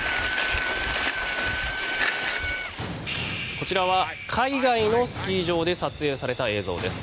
こちらは海外のスキー場で撮影された映像です。